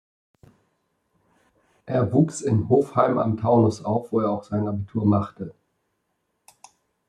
Er wuchs in Hofheim am Taunus auf, wo er auch sein Abitur machte.